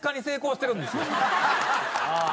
ああ。